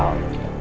makasih ya dok